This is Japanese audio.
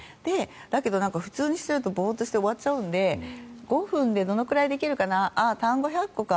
だけど、普通にしているとボーっとして終わっちゃうので５分でどのくらいできるかな単語１００個か。